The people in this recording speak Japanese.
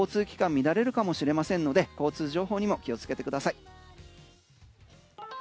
交通機関が乱れるかもしれませんので交通情報にも気をつけてください。